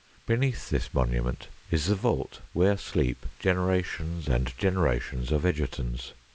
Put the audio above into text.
Beneath this monument is the vault, where sleep generations and generations of Egertons.